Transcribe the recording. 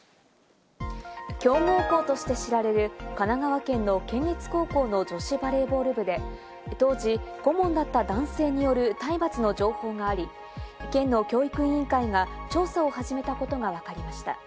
強豪校として知られる神奈川県の県立高校の女子バレーボール部で、当時、顧問だった男性による体罰の情報があり、県の教育委員会が調査を始めたことがわかりました。